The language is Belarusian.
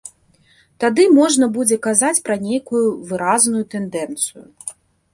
Тады можна будзе казаць пра нейкую выразную тэндэнцыю.